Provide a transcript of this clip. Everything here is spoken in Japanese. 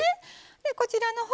こちらの方